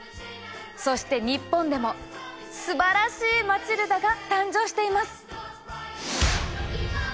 そして日本でも素晴らしい『マチルダ』が誕生しています。